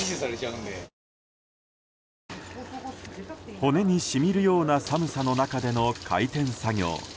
骨に染みるような寒さの中での開店作業。